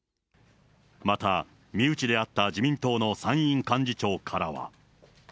また、身内であった自民党の参院幹事長からは。